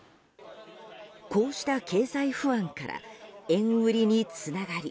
こうした経済不安から円売りにつながり